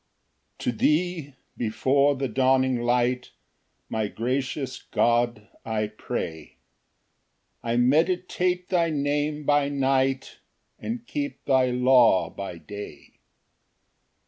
Ver. 147 55. 1 TO thee, before the dawning light, My gracious God, I pray; I meditate thy Name by night, And keep thy law by day.